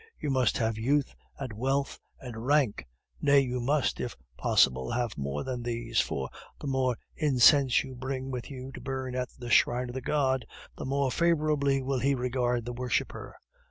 You must have youth and wealth and rank; nay, you must, if possible, have more than these, for the more incense you bring with you to burn at the shrine of the god, the more favorably will he regard the worshiper.